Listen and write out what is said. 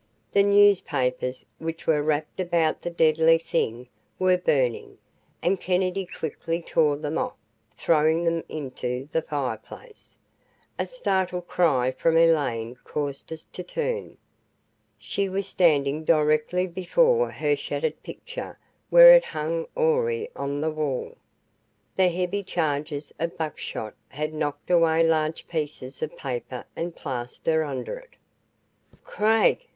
The newspapers which were wrapped about the deadly thing were burning, and Kennedy quickly tore them off, throwing them into the fireplace. A startled cry from Elaine caused us to turn. She was standing directly before her shattered picture where it hung awry on the wall. The heavy charges of buckshot had knocked away large pieces of paper and plaster under it. "Craig!"